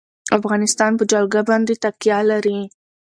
افغانستان په جلګه باندې تکیه لري.